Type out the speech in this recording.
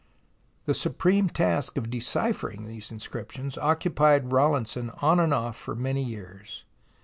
The supreme task of deciphering these inscrip tions occupied Rawlinson on and off for many years.